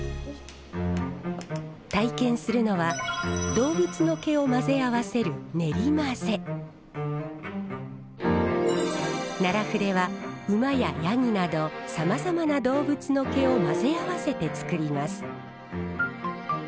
体験するのは動物の毛を混ぜ合わせる奈良筆はウマやヤギなどさまざまな動物の毛を混ぜ合わせて作ります。